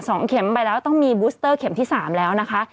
สองเข็มไปแล้วต้องมีบูสเตอร์เข็มที่สามแล้วนะคะ